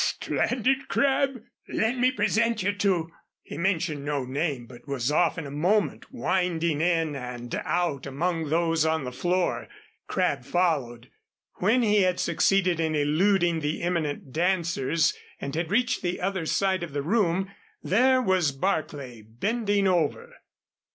"Stranded, Crabb? Let me present you to " He mentioned no name but was off in a moment winding in and out among those on the floor. Crabb followed. When he had succeeded in eluding the imminent dancers and had reached the other side of the room, there was Barclay bending over.